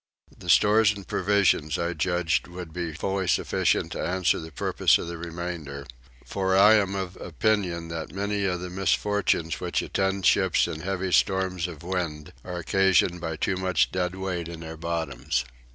The stores and provisions I judged would be fully sufficient to answer the purpose of the remainder; for I am of opinion that many of the misfortunes which attend ships in heavy storms of wind are occasioned by too much dead weight in their bottoms.